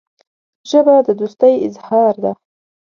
ژبه د دوستۍ اظهار ده